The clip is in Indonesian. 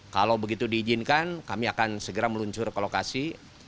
kalau begitu diizinkan kami akan segera meluncur ke lokasi